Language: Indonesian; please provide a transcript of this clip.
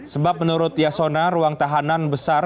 sebab menurut yasona ruang tahanan besar